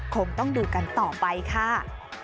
คงต้องดูกันต่อไปค่ะ